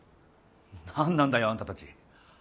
なんなんだよあんたたち。